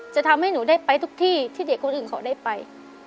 จะทำให้หนูได้ไปทุกที่ที่เด็กคนอื่นเขาได้ไป